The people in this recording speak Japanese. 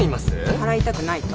払いたくないと？